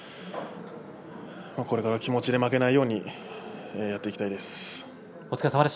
これから気持ちで負けないようにやっていきたいです。